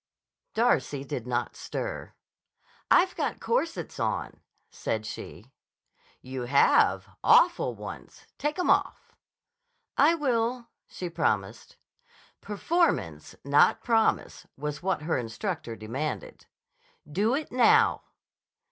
Darcy did not stir. "I've got corsets on," said she. "You have. Awful ones. Take 'em off." "I will," she promised. Performance, not promise, was what her instructor demanded. "Do it now."